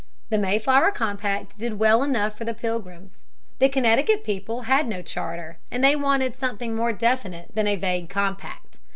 The Mayflower Compact did well enough for the Pilgrims. The Connecticut people had no charter, and they wanted something more definite than a vague compact.